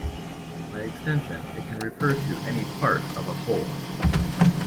By extension it can refer to any part of a whole.